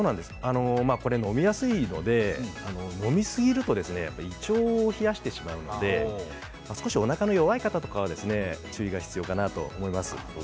飲みやすいので飲みすぎると胃腸を冷やしてしまうので少しおなかの弱い方は注意が必要かなと思います。